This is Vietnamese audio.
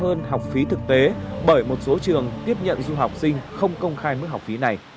hoặc là mức học phí thực tế bởi một số trường tiếp nhận du học sinh không công khai mức học phí này